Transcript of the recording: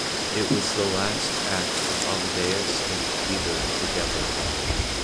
It was the last act of Amadeus and Peter together.